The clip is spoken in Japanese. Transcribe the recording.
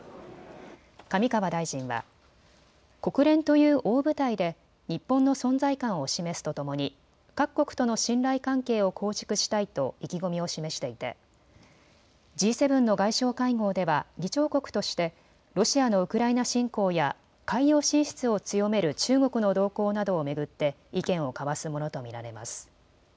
上川大臣は国連という大舞台で日本の存在感を示すとともに各国との信頼関係を構築したいと意気込みを示していてＧ７の外相会合では議長国としてロシアのウクライナ侵攻や海洋進出を強める中国の動向などを巡って意見を交わすものと見られます。